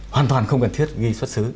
hoàn toàn không cần thiết ghi xuất xứ